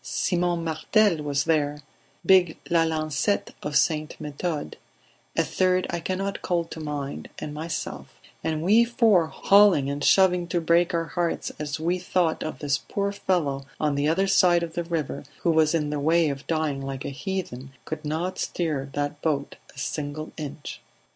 Simon Martel was there, big Lalancette of St. Methode, a third I cannot call to mind, and myself; and we four, hauling and shoving to break our hearts as we thought of this poor fellow on the other side of the river who was in the way of dying like a heathen, could not stir that boat a single inch.